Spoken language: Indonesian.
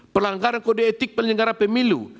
pelanggaran kode etik penyelenggara pemilu